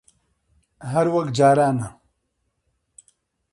هەر وەک جارانە.